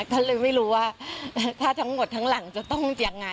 ท่านเลยไม่รู้ว่าถ้าทั้งหมดทั้งหลังจะต้องยังไง